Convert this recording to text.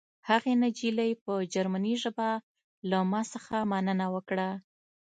هغې نجلۍ په جرمني ژبه له ما څخه مننه وکړه